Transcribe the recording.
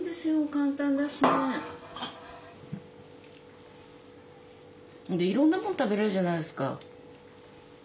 簡単だしね。でいろんなもん食べれるじゃないですか。